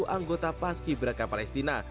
enam puluh anggota pas ki braka palestina